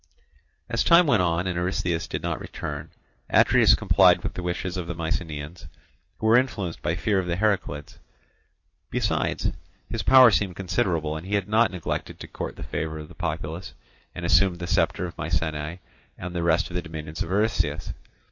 As time went on and Eurystheus did not return, Atreus complied with the wishes of the Mycenæans, who were influenced by fear of the Heraclids—besides, his power seemed considerable, and he had not neglected to court the favour of the populace—and assumed the sceptre of Mycenæ and the rest of the dominions of Eurystheus.